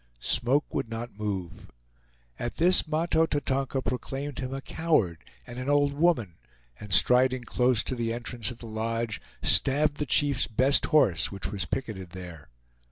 Smoke would not move. At this, Mahto Tatonka proclaimed him a coward and an old woman, and striding close to the entrance of the lodge, stabbed the chief's best horse, which was picketed there.